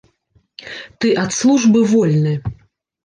Ты ад службы вольны!